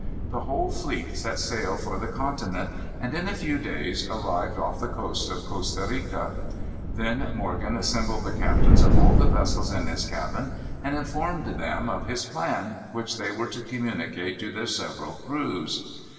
The whole fleet set sail for the continent, and, in a few days, arrived off the coast of Costa Rica. Then Morgan assembled the captains of all the vessels in his cabin, and informed them of his plan, which they were to communicate to their several crews.